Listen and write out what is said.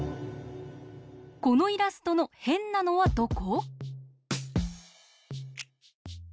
このイラストのへんなのはどこ？